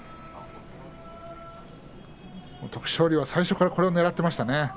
徳勝龍、最初からこれをねらっていましたね。